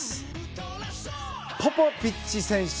ポポビッチ選手。